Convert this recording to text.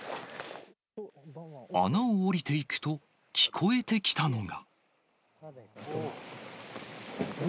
穴を下りていくと、聞こえてきたのが。